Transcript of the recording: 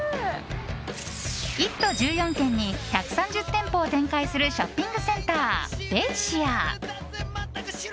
１都１４県に１３０店舗を展開するショッピングセンター、ベイシア。